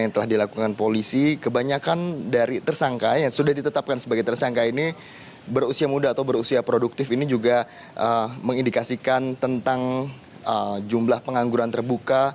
yang telah dilakukan polisi kebanyakan dari tersangka yang sudah ditetapkan sebagai tersangka ini berusia muda atau berusia produktif ini juga mengindikasikan tentang jumlah pengangguran terbuka